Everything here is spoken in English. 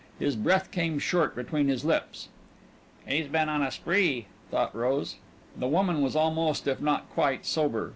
His breath came short between his lips. "He's been on a spree!" thought Rose. The woman was almost if not quite sober.